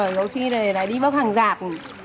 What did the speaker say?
rồi lúc này đi bóc hàng giạc